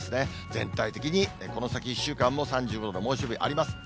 全体的にこの先１週間も３５度の猛暑日あります。